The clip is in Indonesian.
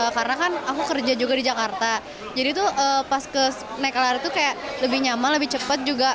karena aku kerja juga di jakarta jadi pas naik lrt lebih nyaman lebih cepat